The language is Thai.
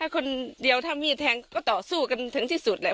คนเดียวถ้ามีดแทงก็ต่อสู้กันถึงที่สุดแหละ